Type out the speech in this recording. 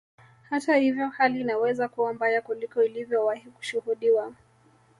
Hata ivyo hali inaweza kuwa mbaya kuliko ilivyowahi kushuhudiwa